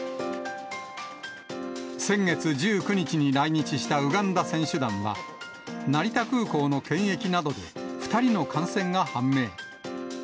先月１９日に来日したウガンダ選手団は、成田空港の検疫などで２人の感染が判明。